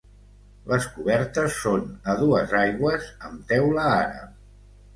Les cobertes són a dues aigües amb teula àrab.